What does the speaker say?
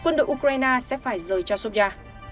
nga sẽ phải rời cho chasovia